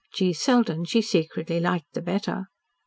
Selden she secretly liked the better.